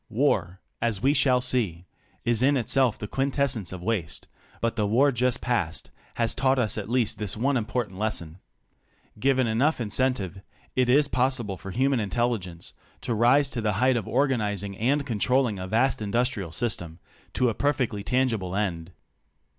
War, as we shall see, is in itself the quintessence of waste, but the war just passed has taught at least this one important lesson: Given enough incentive, it is possible for human intelligence to rTse tatkeJicighf of organising and controllvng a vast industrial system to a perfectly tangible end.